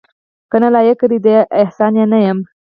کنه لایق دې د احسان نه یمه